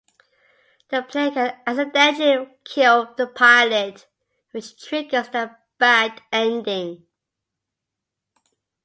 The player can accidentally kill the pilot, which triggers a bad ending.